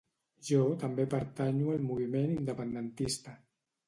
Jo també pertanyo al moviment independentista